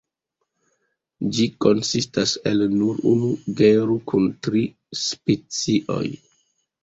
Ĝi konsistas el nur unu genro kun tri specioj.